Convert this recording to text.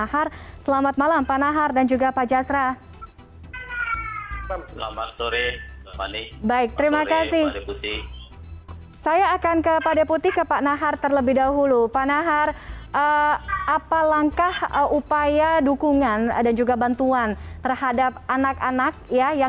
hal satu atau kedua orang tuanya